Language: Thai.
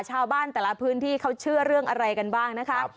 ชาวบ้านแต่ละพื้นที่เขาเชื่อเรื่องอะไรกันบ้างนะคะ